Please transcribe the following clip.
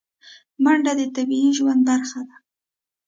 منډه د طبیعي ژوند برخه ده